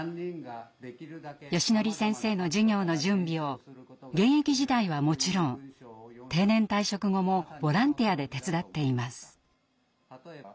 よしのり先生の授業の準備を現役時代はもちろん定年退職後もボランティアで手伝っています。